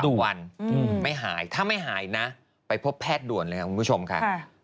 วันไม่หายถ้าไม่หายนะไปพบแพทย์ด่วนเลยครับคุณผู้ชมค่ะ